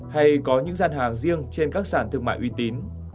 hay có những gian hàng riêng trên các sản thương mại uy tín